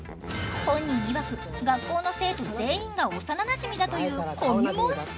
本人いわく学校の生徒全員が幼なじみだというコミュモンスター。